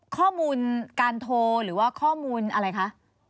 ข้อมูลการโทรหรือว่าข้อมูลอะไรคะ